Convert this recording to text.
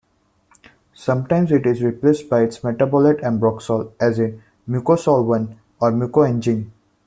Sometimes it is replaced by its metabolite ambroxol, as in Mucosolvan or Mucoangin.